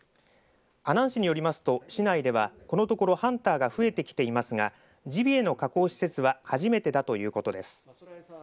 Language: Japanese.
阿南市によりますと市内ではこのところハンターが増えてきていますがジビエの加工施設は初めてだということです。